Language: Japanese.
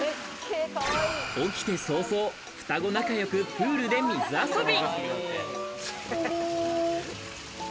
起きて早々、双子仲良くプールで水遊び。